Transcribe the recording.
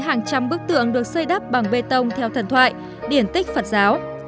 hàng trăm bức tượng được xây đắp bằng bê tông theo thần thoại điển tích phật giáo